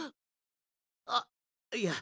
あっいや